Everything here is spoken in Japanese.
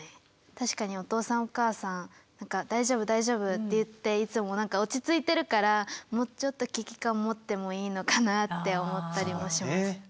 確かにお父さんお母さん大丈夫大丈夫って言っていつも落ち着いてるからもうちょっと危機感持ってもいいのかなって思ったりもします。